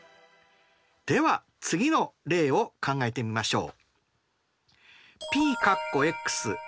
では次の例を考えてみましょう。